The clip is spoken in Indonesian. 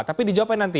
tapi dijawabkan nanti